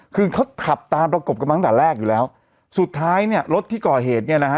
คือเขาขับตามประกบกันมาตั้งแต่แรกอยู่แล้วสุดท้ายเนี่ยรถที่ก่อเหตุเนี่ยนะฮะ